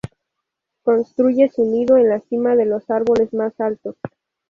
Construye su nido en la cima de los árboles más altos.